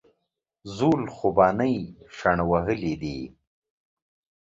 زول خوبانۍ شڼ وهلي دي